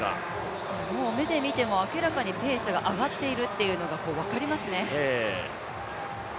目で見ても明らかにペースが上がっているのが分かりますね。